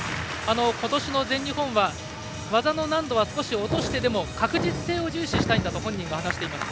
今年の全日本は技の難度は少し落としてでも確実性を重視したいと本人は話していました。